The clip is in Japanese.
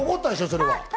それは。